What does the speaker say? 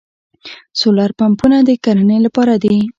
سولر پمپونه د کرنې لپاره دي.